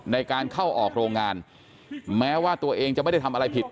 ในการเข้าออกโรงงานแม้ว่าตัวเองจะไม่ได้ทำอะไรผิด